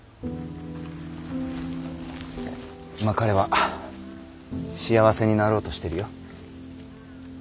今彼は幸せになろうとしてるよ。